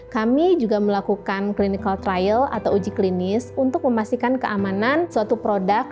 kami juga melakukan clinical trial atau uji klinis untuk memastikan keamanan suatu produk